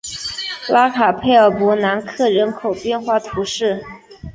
拉卡佩尔博南克人口变化图示